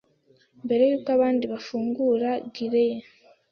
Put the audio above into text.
Mbere yuko abandi bafungura gullet ye